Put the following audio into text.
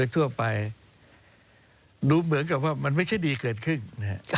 ต้องให้มันดูเหมือนกับว่ามันไม่ใช่ดีเกินครั้งนะครับ